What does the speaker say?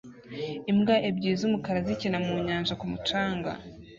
Imbwa ebyiri z'umukara zikina mu nyanja ku mucanga